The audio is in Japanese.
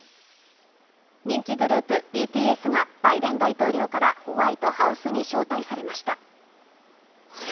人気グループ、ＢＴＳがバイデン大統領からホワイトハウスに招待されました。